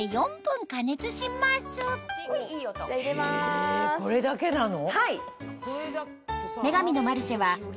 へぇこれだけなの？